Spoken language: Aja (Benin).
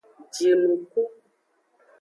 Jinuku.